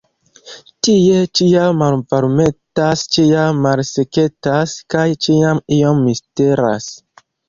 Tie ĉiam malvarmetas, ĉiam malseketas, kaj ĉiam iom misteras.